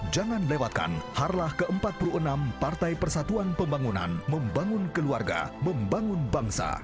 jangan lewatkan harlah ke empat puluh enam partai persatuan pembangunan membangun keluarga membangun bangsa